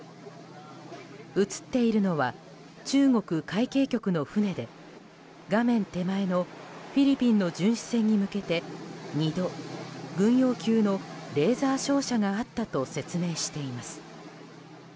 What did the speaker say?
映っているのは中国海警局の船で画面手前のフィリピンの巡視船に向けて２度、軍用級のレーザー照射があったと説明しています。